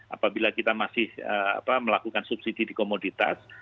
apabila kita masih melakukan subsidi di komoditas